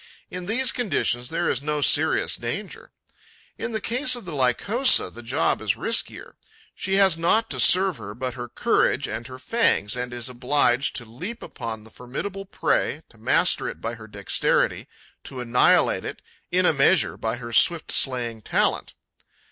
In these conditions, there is no serious danger. In the case of the Lycosa, the job is riskier. She has naught to serve her but her courage and her fangs and is obliged to leap upon the formidable prey, to master it by her dexterity, to annihilate it, in a measure, by her swift slaying talent.